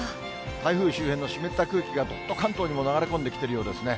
台風周辺の湿った空気がどっと関東にも流れ込んできているようですね。